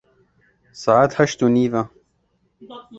Saet heşt û nîv e.